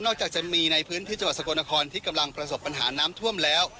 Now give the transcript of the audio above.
จากจะมีในพื้นที่จังหวัดสกลนครที่กำลังประสบปัญหาน้ำท่วมแล้ว